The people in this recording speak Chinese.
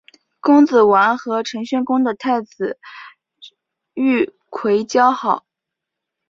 公子完和陈宣公的太子御寇交好。